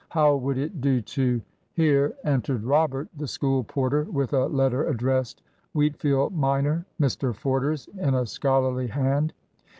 How would it do to Here entered Robert, the school porter, with a letter addressed "Wheatfield minor, Mr Forder's," in a scholarly hand.